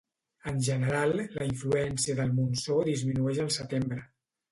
En general, la influència del monsó disminueix al setembre.